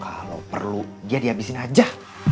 kalau perlu dia dihabisin aja